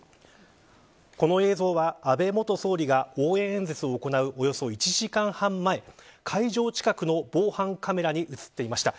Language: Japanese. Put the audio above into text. この映像は安倍元総理が応援演説を行うおよそ１時間半前会場近くの防犯カメラに映っていました。